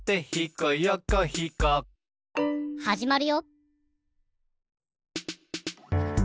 はじまるよ！